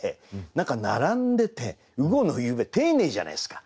何か並んでて雨後の夕べ丁寧じゃないですか。